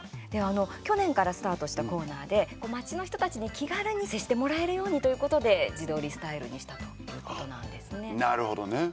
去年からスタートしたコーナーで街の人たちに気軽に接してもらえるようにということで自撮りスタイルにしたというなるほどね。